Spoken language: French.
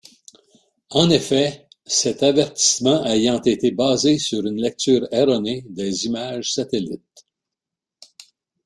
En effet, cet avertissement ayant été basé sur une lecture erronée des images satellite.